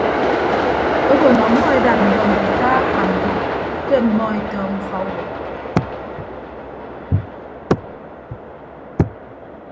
Obo nọ ọmmọ edat ndọ nte ataa akpan mkpọ ke ọmmọ etọọñọ ufa uwem.